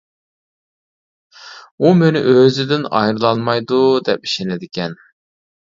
ئۇ مېنى ئۆزىدىن ئايرىلالمايدۇ دەپ ئىشىنىدىكەن.